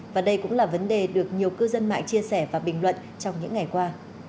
và đây cũng là vấn đề được nhiều cư dân mạng chia sẻ và bình luận trong những ngày qua